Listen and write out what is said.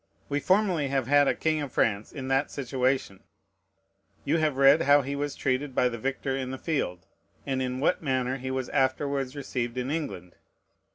We formerly have had a king of France in that situation: you have read how he was treated by the victor in the field, and in what manner he was afterwards received in England.